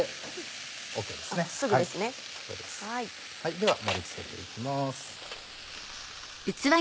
では盛り付けていきます。